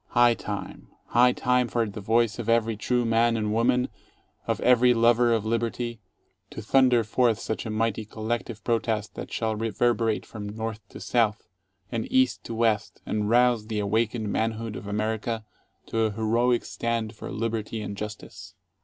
High time, high time for the voice of every true man and woman, of every lover of liberty, to thunder forth such a mighty collective protest that shall reverberate from North to South, and East to West, and rouse the awakened manhood of America to a heroic stand for Liberty and Justice.